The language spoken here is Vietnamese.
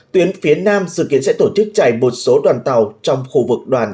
tuyến phía nam dự kiến sẽ tổ chức chạy một số đoàn tàu trong khu vực đoàn